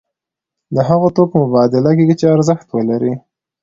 د هغو توکو مبادله کیږي چې ارزښت ولري.